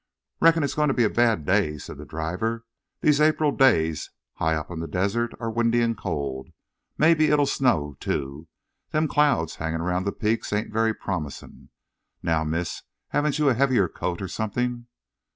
"Reckon it's goin' to be a bad day," said the driver. "These April days high up on the desert are windy an' cold. Mebbe it'll snow, too. Them clouds hangin' around the peaks ain't very promisin'. Now, miss, haven't you a heavier coat or somethin'?"